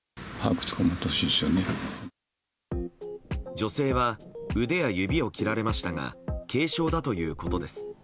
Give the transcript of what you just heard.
女性は腕や指を切られましたが軽傷だということです。